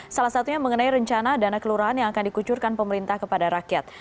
salah satunya mengenai rencana dana kelurahan yang akan dikucurkan pemerintah kepada rakyat